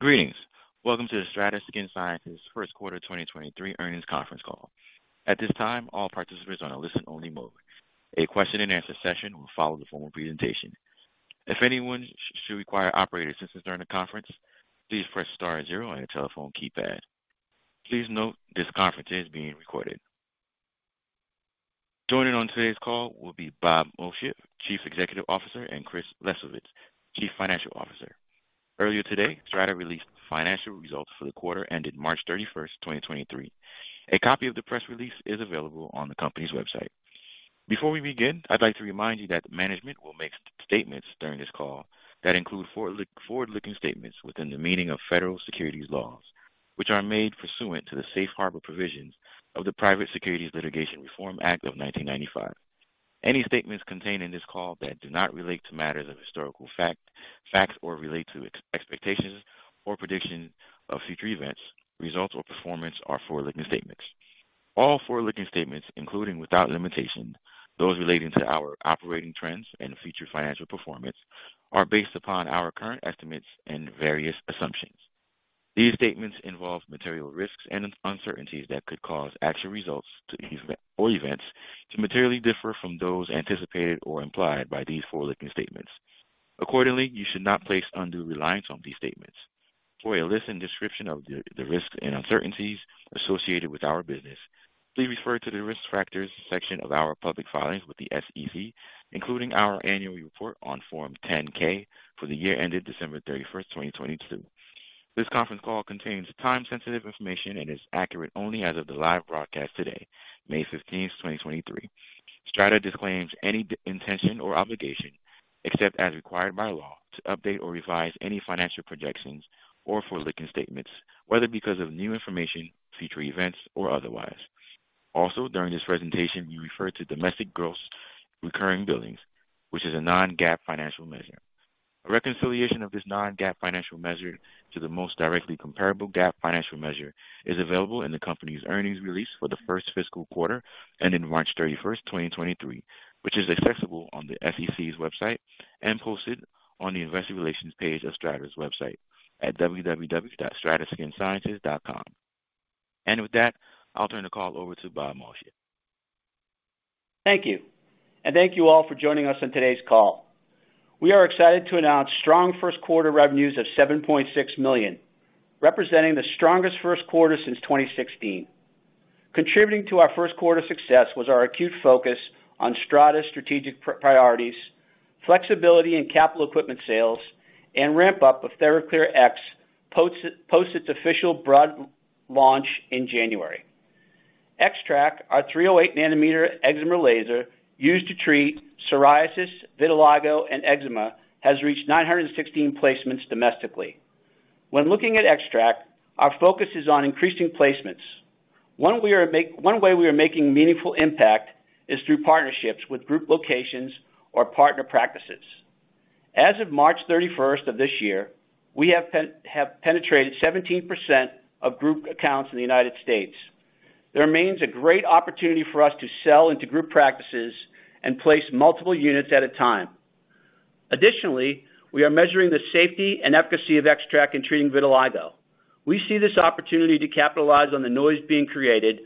Greetings. Welcome to the STRATA Skin Sciences Q1 2023 Earnings Conference Call. At this time, all participants are on a listen only mode. A question-and-answer session will follow the formal presentation. If anyone should require operator assistance during the conference, please press star zero on your telephone keypad. Please note this conference is being recorded. Joining on today's call will be Bob Moccia, Chief Executive Officer, and Chris Lesovitz, Chief Financial Officer. Earlier today, STRATA released financial results for the quarter ended March 31st, 2023. A copy of the press release is available on the company's website. Before we begin, I'd like to remind you that management will make statements during this call that include forward-looking statements within the meaning of federal securities laws, which are made pursuant to the safe harbor provisions of the Private Securities Litigation Reform Act of 1995. Any statements contained in this call that do not relate to matters of historical fact, or relate to expectations or predictions of future events, results or performance are forward-looking statements. All forward-looking statements, including without limitation those relating to our operating trends and future financial performance, are based upon our current estimates and various assumptions. These statements involve material risks and uncertainties that could cause actual results or events to materially differ from those anticipated or implied by these forward-looking statements. Accordingly, you should not place undue reliance on these statements. For a list and description of the risks and uncertainties associated with our business, please refer to the Risk Factors section of our public filings with the SEC, including our annual report on Form 10-K for the year ended December 31st, 2022. This conference call contains time-sensitive information and is accurate only as of the live broadcast today, May 15th, 2023. STRATA disclaims any intention or obligation, except as required by law, to update or revise any financial projections or forward-looking statements, whether because of new information, future events or otherwise. During this presentation, we refer to domestic gross recurring billings, which is a non-GAAP financial measure. A reconciliation of this non-GAAP financial measure to the most directly comparable GAAP financial measure is available in the company's earnings release for the first fiscal quarter ending March 31st, 2023, which is accessible on the SEC's website and posted on the investor relations page of STRATA's website at www.strataskinsciences.com. With that, I'll turn the call over to Bob Moccia. Thank you, and thank you all for joining us on today's call. We are excited to announce strong Q1 revenues of $7.6 million, representing the strongest Q1 since 2016. Contributing to our Q1 success was our acute focus on STRATA's strategic priorities, flexibility in capital equipment sales, and ramp up of TheraClearX post its official broad launch in January. XTRAC, our 308 nanometer eczema laser used to treat psoriasis, vitiligo, and eczema, has reached 916 placements domestically. When looking at XTRAC, our focus is on increasing placements. One way we are making meaningful impact is through partnerships with group locations or partner practices. As of March 31st of this year, we have penetrated 17% of group accounts in the United States. There remains a great opportunity for us to sell into group practices and place multiple units at a time. Additionally, we are measuring the safety and efficacy of XTRAC in treating vitiligo. We see this opportunity to capitalize on the noise being created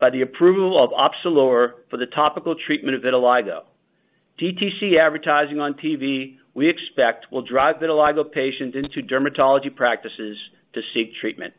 by the approval of Opzelura for the topical treatment of vitiligo. DTC advertising on TV, we expect, will drive vitiligo patients into dermatology practices to seek treatment.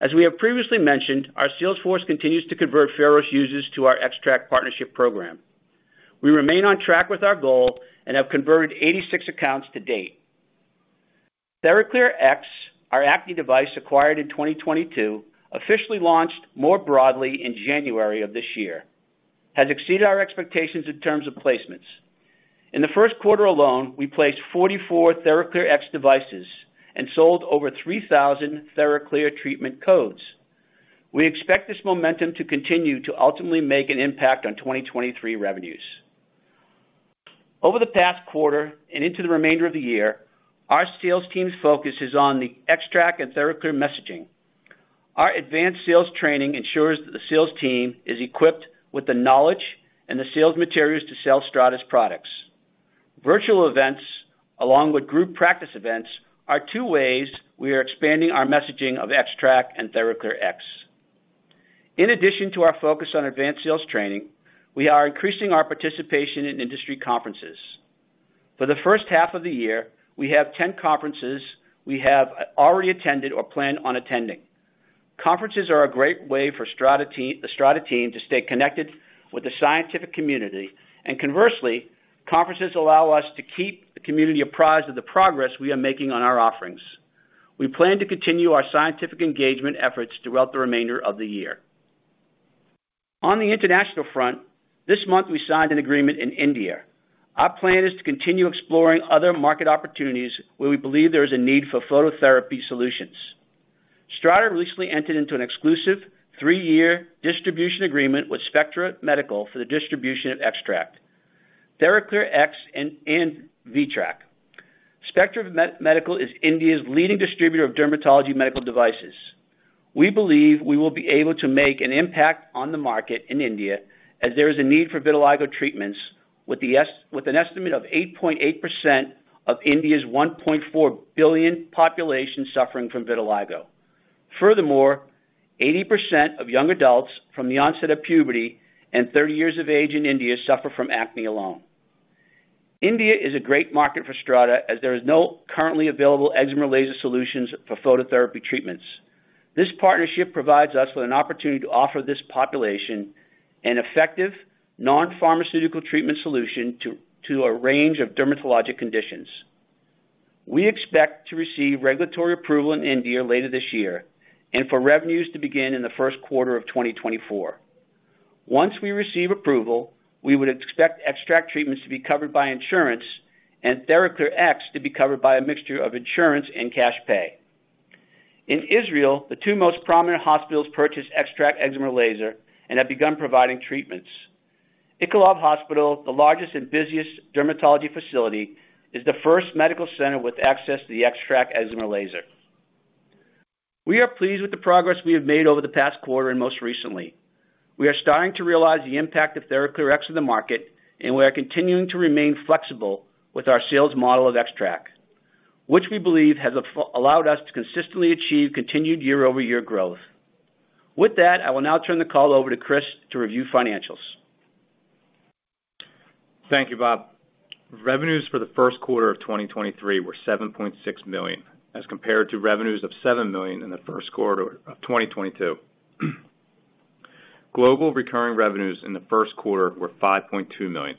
As we have previously mentioned, our sales force continues to convert Pharos users to our XTRAC partnership program. We remain on track with our goal and have converted 86 accounts to date. TheraClearX, our acne device acquired in 2022, officially launched more broadly in January of this year. Has exceeded our expectations in terms of placements. In the Q1 alone, we placed 44 TheraClearX devices and sold over 3,000 TheraClear treatment codes. We expect this momentum to continue to ultimately make an impact on 2023 revenues. Over the past quarter and into the remainder of the year, our sales team's focus is on the XTRAC and TheraClear messaging. Our advanced sales training ensures that the sales team is equipped with the knowledge and the sales materials to sell STRATA's products. Virtual events, along with group practice events, are two ways we are expanding our messaging of XTRAC and TheraClearX. In addition to our focus on advanced sales training, we are increasing our participation in industry conferences. For the H1 of the year, we have 10 conferences we have already attended or plan on attending. Conferences are a great way for the STRATA team to stay connected with the scientific community. Conversely, conferences allow us to keep the community apprised of the progress we are making on our offerings. We plan to continue our scientific engagement efforts throughout the remainder of the year. On the international front, this month we signed an agreement in India. Our plan is to continue exploring other market opportunities where we believe there is a need for phototherapy solutions. STRATA recently entered into an exclusive three-year distribution agreement with Spectra Medicals for the distribution of XTRAC, TheraClearX and VTRAC. Spectra Medicals Devices is India's leading distributor of dermatology medical devices. We believe we will be able to make an impact on the market in India as there is a need for vitiligo treatments with an estimate of 8.8% of India's 1.4 billion population suffering from vitiligo. 80% of young adults from the onset of puberty and 30 years of age in India suffer from acne alone. India is a great market for STRATA as there is no currently available eczema laser solutions for phototherapy treatments. This partnership provides us with an opportunity to offer this population an effective non-pharmaceutical treatment solution to a range of dermatologic conditions. We expect to receive regulatory approval in India later this year and for revenues to begin in the Q1 of 2024. Once we receive approval, we would expect XTRAC treatments to be covered by insurance and TheraClearX to be covered by a mixture of insurance and cash pay. In Israel, the two most prominent hospitals purchase XTRAC eczema laser and have begun providing treatments. Ichilov Hospital, the largest and busiest dermatology facility, is the first medical center with access to the XTRAC eczema laser. We are pleased with the progress we have made over the past quarter and most recently. We are starting to realize the impact of TheraClearX in the market, and we are continuing to remain flexible with our sales model of XTRAC, which we believe has allowed us to consistently achieve continued year-over-year growth. With that, I will now turn the call over to Chris to review financials. Thank you, Bob. Revenues for the Q1 of 2023 were $7.6 million, as compared to revenues of $7 million in the Q1 of 2022. Global recurring revenues in the Q1 were $5.2 million,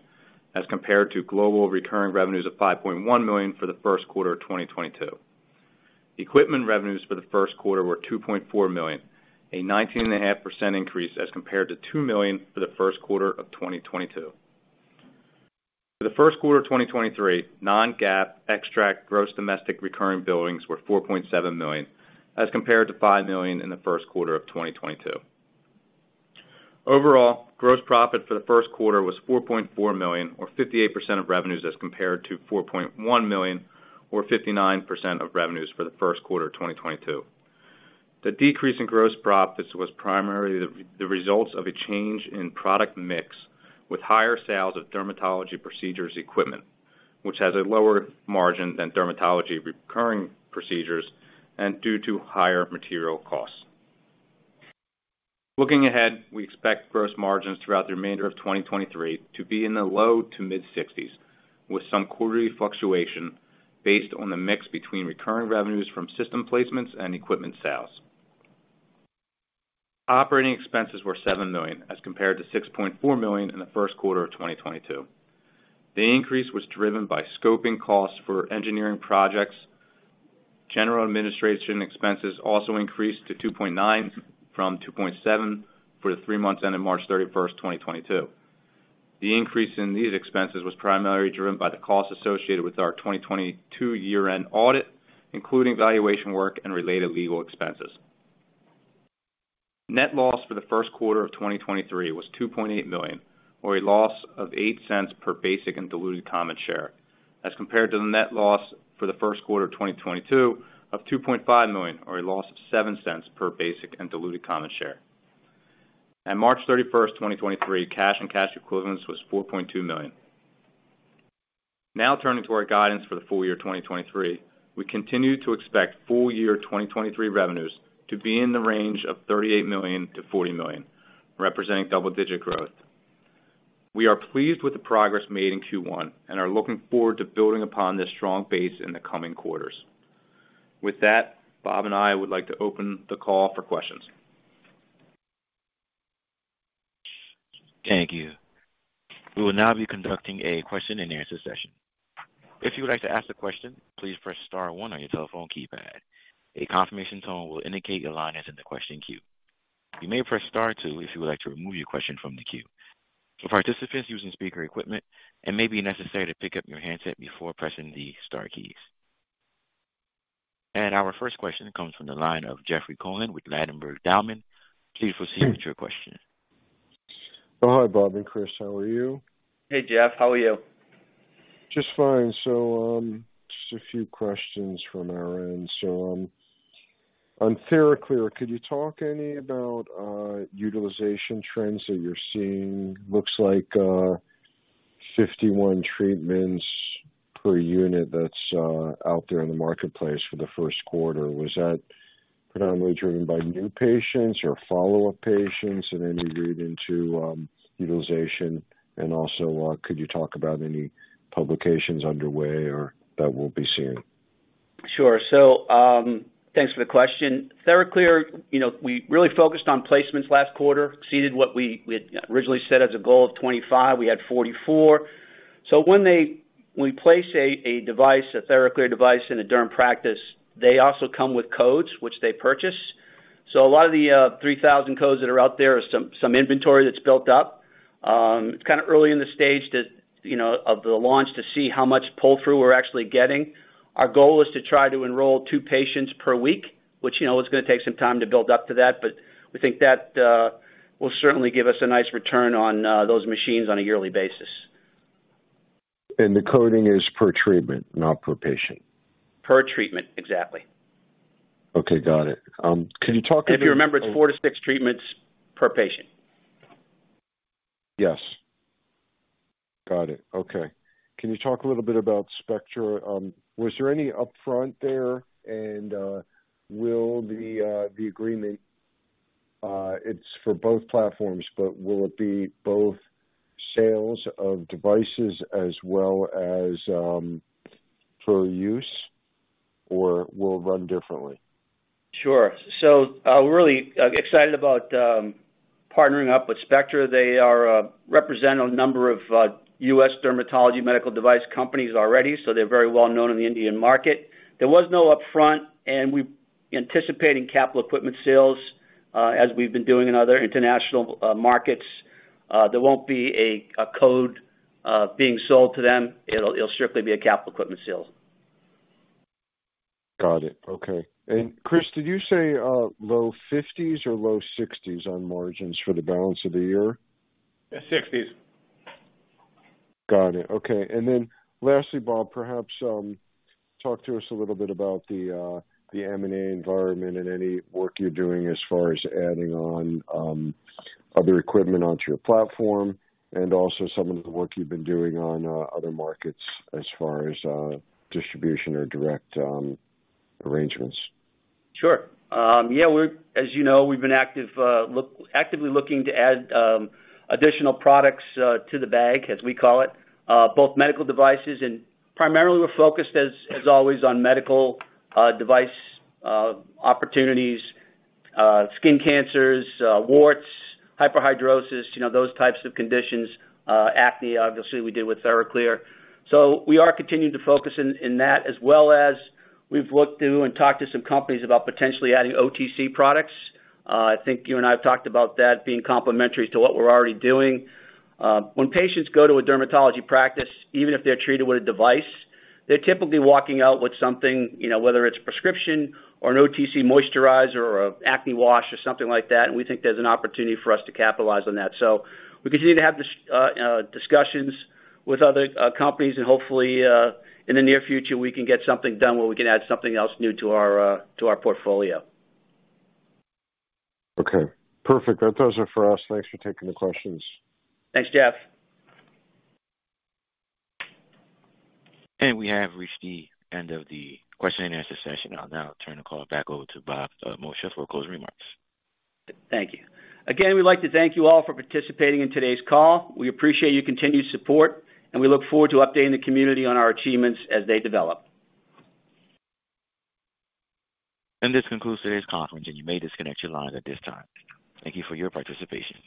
as compared to global recurring revenues of $5.1 million for the Q1 of 2022. Equipment revenues for the Q1 were $2.4 million, a 19.5% increase as compared to $2 million for the Q1 of 2022. For the Q1 of 2023, non-GAAP XTRAC gross domestic recurring billings were $4.7 million, as compared to $5 million in the Q1 of 2022. Overall, gross profit for the Q1 was $4.4 million or 58% of revenues as compared to $4.1 million or 59% of revenues for the Q1 of 2022. The decrease in gross profits was primarily the results of a change in product mix, with higher sales of dermatology procedures equipment, which has a lower margin than dermatology recurring procedures and due to higher material costs. Looking ahead, we expect gross margins throughout the remainder of 2023 to be in the low to mid-60s, with some quarterly fluctuation based on the mix between recurring revenues from system placements and equipment sales. Operating expenses were $7 million, as compared to $6.4 million in the Q1 of 2022. The increase was driven by scoping costs for engineering projects. General and administration expenses also increased to $2.9 million from $2.7 million for the three months ending March 31, 2022. The increase in these expenses was primarily driven by the costs associated with our 2022 year-end audit, including valuation work and related legal expenses. Net loss for the Q1 of 2023 was $2.8 million or a loss of $0.08 per basic and diluted common share, as compared to the net loss for the Q1 of 2022 of $2.5 million or a loss of $0.07 per basic and diluted common share. On March 31, 2023, cash and cash equivalents was $4.2 million. Turning to our guidance for the full year 2023. We continue to expect full year 2023 revenues to be in the range of $38 million-$40 million, representing double-digit growth. We are pleased with the progress made in Q1 and are looking forward to building upon this strong base in the coming quarters. With that, Bob and I would like to open the call for questions. Thank you. We will now be conducting a question-and-answer session. If you would like to ask a question, please press star one on your telephone keypad. A confirmation tone will indicate your line is in the question queue. You may press star two if you would like to remove your question from the queue. For participants using speaker equipment, it may be necessary to pick up your handset before pressing the star keys. Our first question comes from the line of Jeffrey Cohen with Ladenburg Thalmann. Please proceed with your question. Oh, hi, Bob and Chris, how are you? Hey, Jeff, how are you? Just fine. Just a few questions from our end. On TheraClear, could you talk any about utilization trends that you're seeing? Looks like 51 treatments per unit that's out there in the marketplace for the Q1. Was that predominantly driven by new patients or follow-up patients and any read into utilization? Also, could you talk about any publications underway or that we'll be seeing? Thanks for the question. TheraClear, you know, we really focused on placements last quarter, exceeded what we had originally set as a goal of 25. We had 44. When we place a device, a TheraClear device in a derm practice, they also come with codes which they purchase. A lot of the 3,000 codes that are out there is some inventory that's built up. It's kind of early in the stage to, you know, of the launch to see how much pull-through we're actually getting. Our goal is to try to enroll two patients per week, which, you know, is gonna take some time to build up to that, but we think that will certainly give us a nice return on those machines on a yearly basis. The coding is per treatment, not per patient? Per treatment. Exactly. Okay. Got it. Can you talk a bit- If you remember, it's four to six treatments per patient. Yes. Got it. Okay. Can you talk a little bit about Spectra? Was there any upfront there and will the agreement it's for both platforms, but will it be both sales of devices as well as for use or will it run differently? Sure. We're really excited about partnering up with Spectra. They represent a number of U.S. dermatology medical device companies already, so they're very well known in the Indian market. There was no upfront and we're anticipating capital equipment sales as we've been doing in other international markets. There won't be a code being sold to them. It'll strictly be a capital equipment sale. Got it. Okay. Chris, did you say low fifties or low sixties on margins for the balance of the year? Sixties. Got it. Okay. Lastly, Bob, perhaps, talk to us a little bit about the M&A environment and any work you're doing as far as adding on other equipment onto your platform and also some of the work you've been doing on other markets as far as distribution or direct arrangements. Sure. Yeah, as you know, we've been active, actively looking to add additional products to the bag, as we call it, both medical devices and primarily we're focused as always on medical device opportunities, skin cancers, warts, Hyperhidrosis, you know, those types of conditions. Acne obviously we did with TheraClear. We are continuing to focus in that as well as we've looked through and talked to some companies about potentially adding OTC products. I think you and I have talked about that being complementary to what we're already doing. When patients go to a dermatology practice, even if they're treated with a device, they're typically walking out with something, you know, whether it's prescription or an OTC moisturizer or acne wash or something like that. We think there's an opportunity for us to capitalize on that. We continue to have this discussions with other companies and hopefully in the near future we can get something done where we can add something else new to our portfolio. Okay. Perfect. That does it for us. Thanks for taking the questions. Thanks, Jeff. We have reached the end of the question and answer session. I'll now turn the call back over to Bob Moccia for closing remarks. Thank you. Again, we'd like to thank you all for participating in today's call. We appreciate your continued support, and we look forward to updating the community on our achievements as they develop. This concludes today's conference, and you may disconnect your lines at this time. Thank you for your participation.